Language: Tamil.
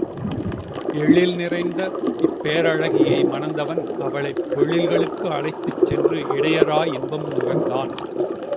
எழில் நிறைந்த இப்பேரழகியை மணந்தவன் அவளைப் பொழில்களுக்கு அழைத்துச் சென்று இடையறா இன்பம் நுகர்ந்தான்.